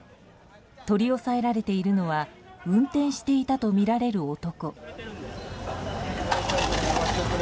取り押さえられているのは運転していたとみられる男。